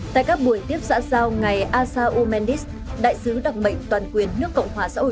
đại sứ đặc mệnh toàn quyền nước cộng hòa xã hội